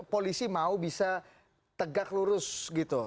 polisi mau bisa tegak lurus gitu